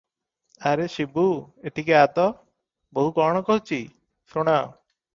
"ଆରେ ଶିବୁ, ଏଠିକି ଆ'ତ, ବୋହୂ କଣ କହୁଛି, ଶୁଣ ।"